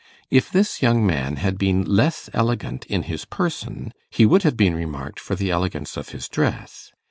If this young man had been less elegant in his person, he would have been remarked for the elegance of his dress.